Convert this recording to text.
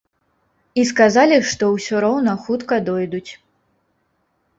І сказалі, што ўсё роўна хутка дойдуць.